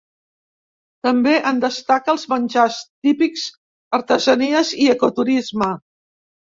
També en destaca els menjars típics, artesanies i ecoturisme.